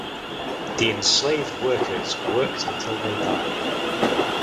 The enslaved workers worked until they died!